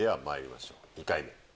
まいりましょう２回目。